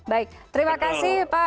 baik terima kasih pak